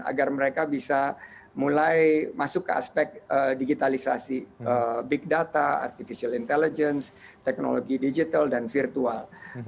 agar mereka bisa mulai masuk ke aspek digitalisasi big data artificial intelligence teknologi digital dan virtual